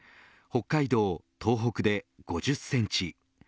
北海道、東北で５０センチ